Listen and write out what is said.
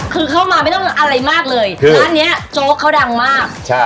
คือเข้ามาไม่ต้องอะไรมากเลยร้านเนี้ยโจ๊กเขาดังมากใช่